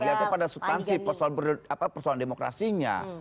lihatnya pada stansi persoalan demokrasinya